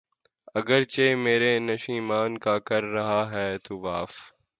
اگرچہ میرے نشیمن کا کر رہا ہے طواف